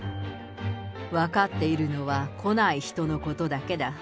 分かっているのは来ない人のことだけだ。